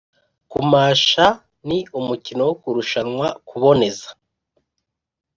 kumasha ni umukino wo kurushanwa kuboneza.